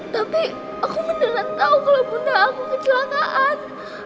tapi aku beneran tahu kalau bunda aku kecelakaan